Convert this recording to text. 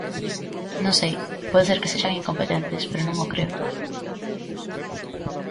Non sei, pode ser que sexan incompetentes, pero non o creo.